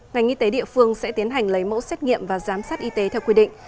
ngành y tế địa phương sẽ tiến hành lấy mẫu xét nghiệm và giám sát y tế theo quy định